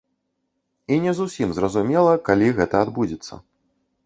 І не зусім зразумела, калі гэта адбудзецца.